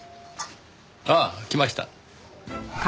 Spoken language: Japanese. ああ来ました。